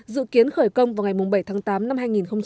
dự kiến khởi công vào ngày bảy tháng tám năm hai nghìn hai mươi